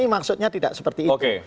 maksudnya tidak seperti itu